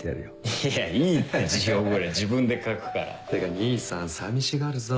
いやいいって辞表ぐらい自分で書くから。ってか兄さん寂しがるぞ。